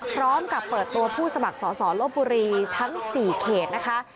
พร้อมกับเปิดตัวผู้สมัครสอสอลบบุรีทั้ง๔เขตนะคะ